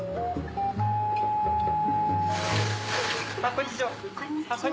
こんにちは。